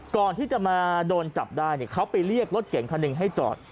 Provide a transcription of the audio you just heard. ก่อนที่จะมาโดนจับได้เขาไปเรียกรถเก่งคันหนึ่งให้จอด